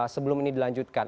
sebelum ini dilanjutkan